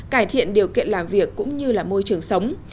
cải thiện điều kiện làm việc cũng như là môi trường sống